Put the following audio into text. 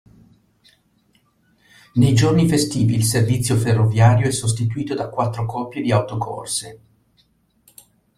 Nei giorni festivi il servizio ferroviario è sostituito da quattro coppie di autocorse..